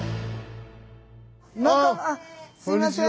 あっすいません。